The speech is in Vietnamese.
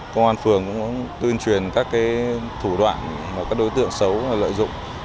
công an phường cũng tuyên truyền các thủ đoạn mà các đối tượng xấu lợi dụng